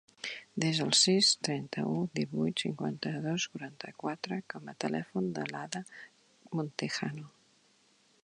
Desa el sis, trenta-u, divuit, cinquanta-dos, quaranta-quatre com a telèfon de l'Ada Montejano.